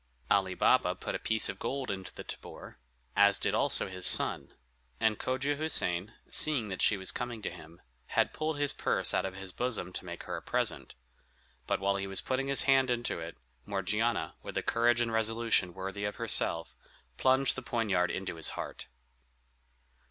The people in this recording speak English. Ali Baba put a piece of gold into the tabor, as did also his son; and Cogia Houssain, seeing that she was coming to him, had pulled his purse out of his bosom to make her a present; but while he was putting his hand into it, Morgiana, with a courage and resolution worthy of herself, plunged the poniard into his heart.